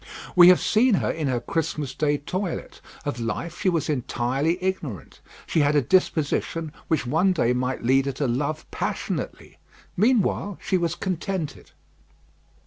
We have seen her in her Christmas day toilet. Of life, she was entirely ignorant. She had a disposition which one day might lead her to love passionately. Meanwhile she was contented.